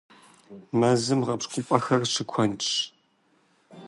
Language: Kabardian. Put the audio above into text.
Мэзым гъэпщкӀупӀэхэр щыкуэдщ.